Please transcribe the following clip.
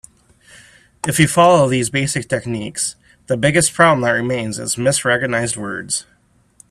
If you follow these basic techniques, the biggest problem that remains is misrecognized words.